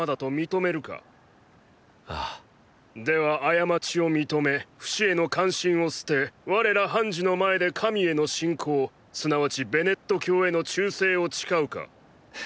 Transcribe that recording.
では過ちを認めフシへの関心を捨て我ら判事の前で神への信仰すなわちベネット教への忠誠を誓うか。